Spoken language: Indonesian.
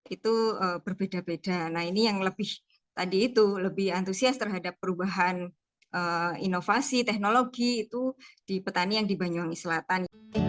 itu berbeda beda nah ini yang lebih tadi itu lebih antusias terhadap perubahan inovasi teknologi itu di petani yang di banyuwangi selatan